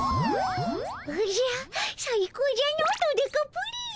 おじゃ最高じゃのドデカプリン。